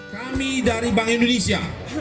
kami dari bank indonesia